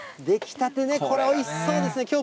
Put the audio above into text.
出来たて、これ、おいしそうですね。